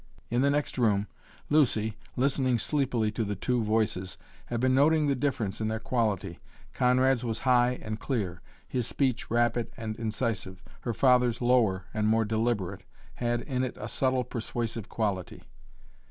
In the next room, Lucy, listening sleepily to the two voices, had been noting the difference in their quality. Conrad's was high and clear, his speech rapid and incisive. Her father's, lower and more deliberate, had in it a subtle, persuasive quality.